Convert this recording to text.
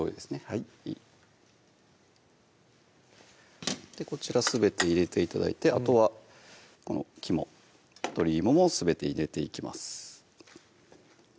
はいこちらすべて入れて頂いてあとはこの肝鶏肝もすべて入れていきます